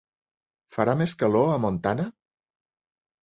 Farà més calor a Montana?